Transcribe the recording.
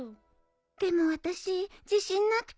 でも私自信なくて。